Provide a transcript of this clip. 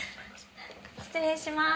失礼します。